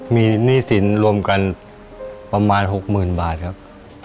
มีหนี้สินรวมกันประมาณ๖๐๐๐บาทครับ